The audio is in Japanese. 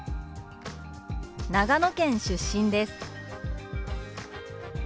「長野県出身です」。